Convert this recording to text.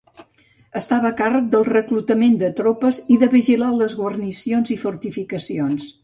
Estava a càrrec del reclutament de tropes i de vigilar les guarnicions i fortificacions.